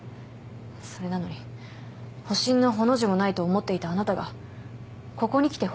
それなのに保身の「ほ」の字もないと思っていたあなたがここにきて保身ですか。